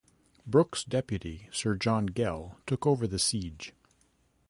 Brooke's deputy Sir John Gell, took over the siege.